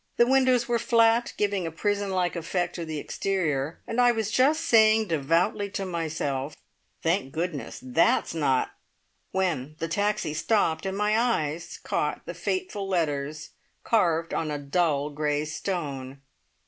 The windows were flat, giving a prison like effect to the exterior, and I was just saying devoutly to myself, "Thank goodness, that's not " when the taxi stopped, and my eyes caught the fateful letters carved on a dull grey stone!